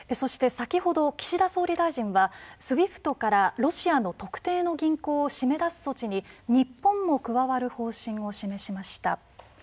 先ほど岸田総理大臣はＳＷＩＦＴからロシアの特定の銀行を締め出す措置に日本も加わる方針を示しました。